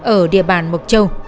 ở địa bàn mộc châu